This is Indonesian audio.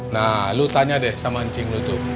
nah lu tanya deh sama anjing lu tuh